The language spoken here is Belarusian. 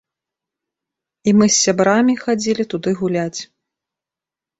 І мы з сябрамі хадзілі туды гуляць.